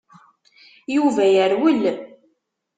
Yuba yerwel.